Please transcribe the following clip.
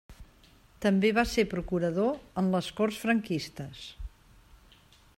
També va ser procurador en les Corts franquistes.